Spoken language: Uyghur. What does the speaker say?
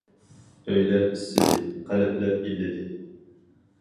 ئۆيلەر ئىسسىدى، قەلبلەر ئىللىدى.